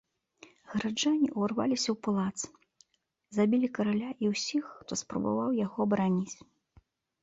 Гараджане ўварваліся ў палац, забілі караля і ўсіх, хто спрабаваў яго абараніць.